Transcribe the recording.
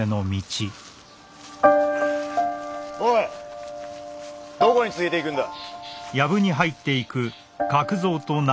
おいどこに連れていくんだ？